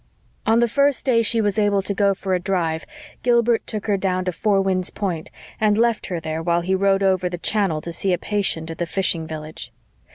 On the first day she was able to go for a drive Gilbert took her down to Four Winds Point, and left her there while he rowed over the channel to see a patient at the fishing village.